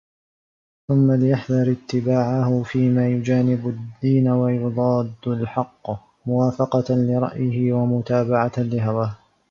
ثُمَّ لِيَحْذَرْ اتِّبَاعَهُ فِيمَا يُجَانِبُ الدِّينَ وَيُضَادُّ الْحَقَّ مُوَافَقَةً لِرَأْيِهِ وَمُتَابَعَةً لِهَوَاهُ